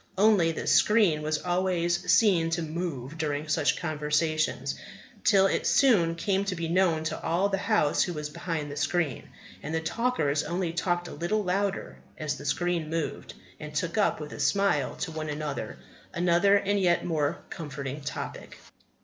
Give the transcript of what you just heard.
Only, the screen was always seen to move during such conversations, till it soon came to be known to all the house who was behind the screen. And the talkers only talked a little louder as the screen moved, and took up, with a smile to one another, another and a yet more comforting topic.